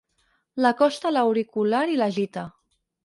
L'acosta a l'auricular i l'agita.